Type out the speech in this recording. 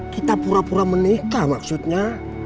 kita pura pura menikah maksudnya